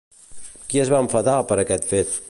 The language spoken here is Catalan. Qui es va enfadar per aquest fet?